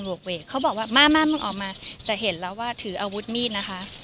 กเวกเขาบอกว่ามามึงออกมาจะเห็นแล้วว่าถืออาวุธมีดนะคะ